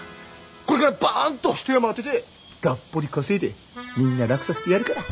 これからバーンと一山当ててがっぽり稼いでみんな楽させてやるから。